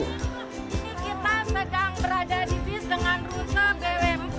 ini kita sedang berada di bis dengan rute bw empat